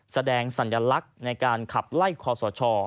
สัญลักษณ์ในการขับไล่คอสช